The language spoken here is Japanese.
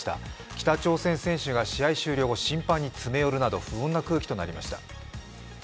北朝鮮の選手が試合後審判に詰め寄るなど、不穏な空気となりました。